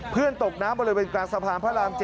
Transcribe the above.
ตกน้ำบริเวณกลางสะพานพระราม๗